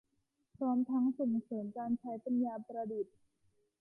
พร้อมทั้งส่งเสริมการใช้ปัญญาประดิษฐ์